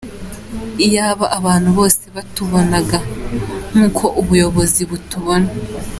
Iyaba abantu bose batubonaga nk’uko ubuyobozi butubona.